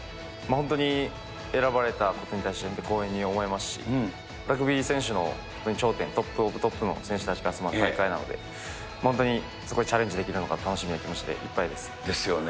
本当に選ばれたことに対して本当に光栄に思いますし、ラグビー選手の頂点、トップ・オブ・トップの選手たちが集まる大会なので、本当にそこにチャレンジできるのが楽しみな気持ちでいっぱいです。ですよね。